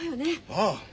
ああ。